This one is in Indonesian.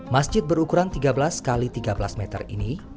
masjid berukuran tiga belas x tiga belas meter ini